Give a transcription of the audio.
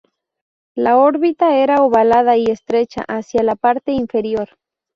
La órbita era ovalada, y estrecha hacia la parte inferior.